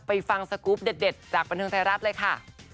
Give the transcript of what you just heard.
ฟังสกรูปเด็ดจากบันเทิงไทยรัฐเลยค่ะ